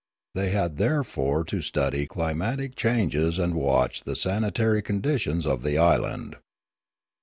They had therefore to study climatic changes and watch the sanitary conditions of the island.